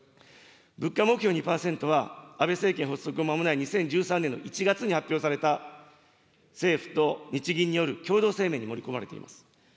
物価目標２％は、安倍政権発足後間もない２０１３年の１月に発表された、政府と日銀による共同声明に盛り込まれています。